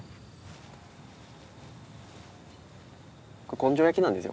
根性焼きなんですよ。